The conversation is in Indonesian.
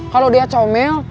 kalau dia comel